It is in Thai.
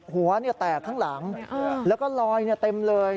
หัวแตกข้างหลังแล้วก็ลอยเต็มเลย